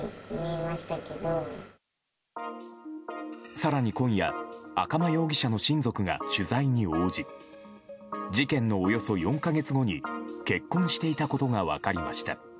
更に今夜赤間容疑者の親族が取材に応じ事件のおよそ４か月後に結婚していたことが分かりました。